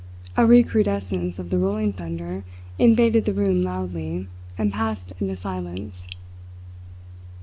A recrudescence of the rolling thunder invaded the room loudly, and passed into silence.